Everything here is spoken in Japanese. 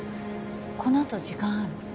このあと時間ある？